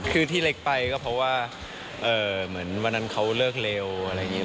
คือที่เล็กไปก็เพราะว่าเหมือนวันนั้นเขาเลิกเร็วอะไรอย่างนี้